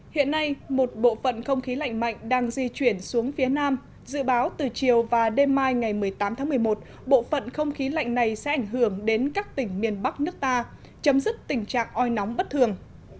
hiện nay một bộ phận không khí lạnh mạnh đang di chuyển xuống phía nam dự báo từ chiều và đêm mai ngày một mươi tám tháng một mươi một bộ phận không khí lạnh này sẽ ảnh hưởng đến các tỉnh miền bắc nước ta chấm dứt tình trạng oi nóng bất thường